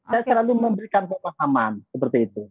saya selalu memberikan pemahaman seperti itu